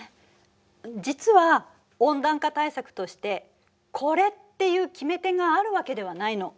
実は温暖化対策として「コレ」っていう決め手があるわけではないの。